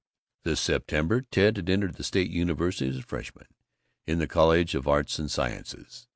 This September Ted had entered the State University as a freshman in the College of Arts and Sciences.